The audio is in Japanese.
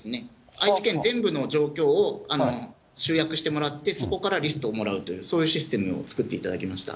愛知県全部の状況を集約してもらってそこからリストをもらうと、そういうシステムを作っていただきました。